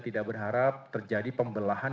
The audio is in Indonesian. tidak berharap terjadi pembelahan